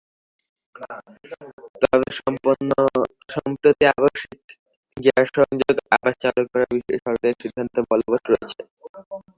তবে সম্প্রতি আবাসিক গ্যাস-সংযোগ আবার চালু করার বিষয়ে সরকারি সিদ্ধান্ত বলবৎ রয়েছে।